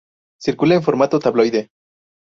Circula en formato tabloide.